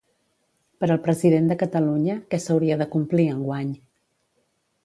Per al president de Catalunya, què s'hauria de complir enguany?